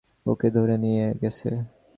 ওকে ধরে নিয়ে গেছে।